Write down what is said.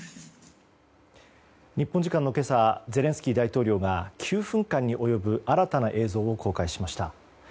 日本時間の今朝ゼレンスキー大統領が９分間に及ぶ新たな映像を公開しました。